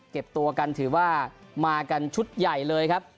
เก็บตัวกันถือว่ามากันชุดใหญ่เลยครับ